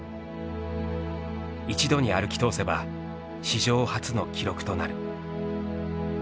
一度に歩き通せば史上初の記録となる。